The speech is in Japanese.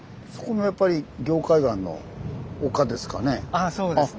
ああそうですね。